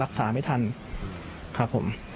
รักษาไม่ทันครับผม